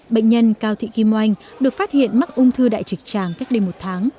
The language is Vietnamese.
bệnh nhân cao thị kim oanh được phát hiện mắc ung thư đại trực tràng cách đây một tháng